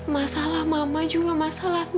masalah mama juga masalah mila ma